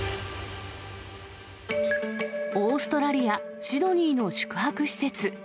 オーストラリア・シドニーの宿泊施設。